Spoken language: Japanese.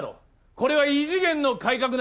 これは異次元の改革なんだ。